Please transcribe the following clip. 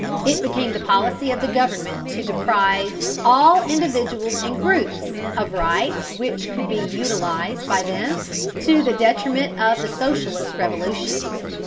It became the policy of the government to deprive "all individuals and groups of rights which could be utilized by them to the detriment of the socialist revolution."